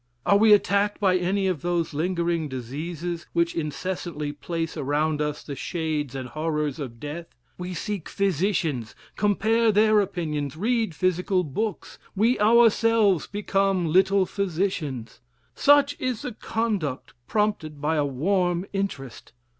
Are we attacked by any of those lingering diseases, which incessantly place around us the shades and horrors of death? We seek physicians, compare their opinions, read physical books, we ourselves become little physicians. Such is the conduct prompted by a warm interest.